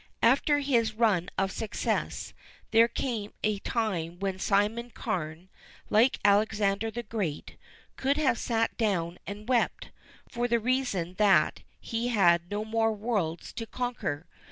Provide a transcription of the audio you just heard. After his run of success there came a time when Simon Carne, like Alexander the Great, could have sat down and wept, for the reason that he had no more worlds to conquer.